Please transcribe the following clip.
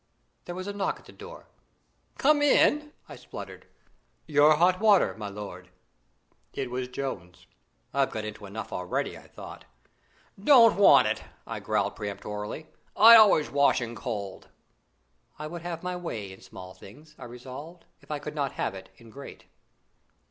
There was a knock at the door. "Come in!" I spluttered. "Your hot water, my lord!" It was Jones. "I've got into enough already," I thought. "Don't want it," I growled peremptorily; "I always wash in cold." I would have my way in small things, I resolved, if I could not have it in great.